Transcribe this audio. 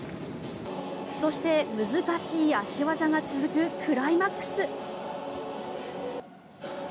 そして、難しい脚技が続くクライマックス。